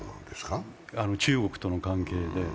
中国との関係で。